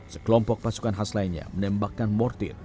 sekelompok pasukan khas lainnya menembakkan mortir